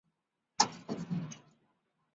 随后顾琛都留家照顾年迈母亲。